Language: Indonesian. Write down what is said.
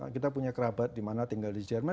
kita punya kerabat di mana tinggal di jerman